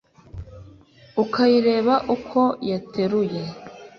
Ukayireba uko yateruye